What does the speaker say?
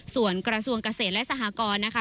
ส่วนกระทรวงเกษตรและสหกรนะคะ